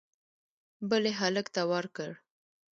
بل یې هلک ته ورکړ